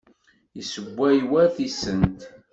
Yessewway war tisent.